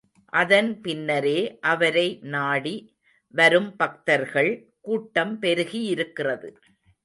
அதன் பின்னரே அவரை நாடி வரும் பக்தர்கள் கூட்டம் பெருகியிருக்கிறது.